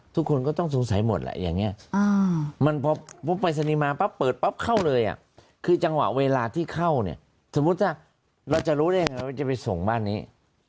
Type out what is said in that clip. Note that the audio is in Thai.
ทุกคนก็ต้องสงสัยหมดแหละอย่างนี้มันพอปรายศนีย์มาปั๊บเปิดปั๊บเข้าเลยคือจังหวะเวลาที่เข้าเนี่ยสมมุติว่าเราจะรู้ได้ยังไงว่าจะไปส่งบ้านนี้